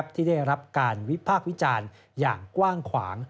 ที่ได้รับการวิพากษ์วิจารณ์อย่างกว้างขวาง